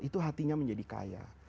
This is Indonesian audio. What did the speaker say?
itu hatinya menjadi kaya